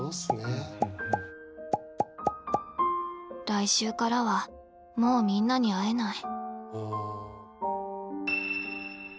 来週からはもうみんなに会えない。